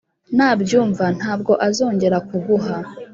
nabyumva ntabwo azongera kuguha